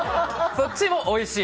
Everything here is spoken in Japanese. そっちもおいしい。